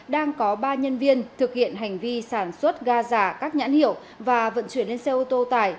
đang có ba nhân viên thực hiện hành vi sản xuất ga giả các nhãn hiệu và vận chuyển lên xe ô tô tải